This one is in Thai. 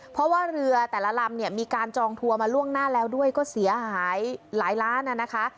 เพราะว่าเรือแต่ละลำเนี่ยมีการจองทัวร์มาล่วงหน้าแล้วด้วยก็เสียหายหลายล้านนะคะ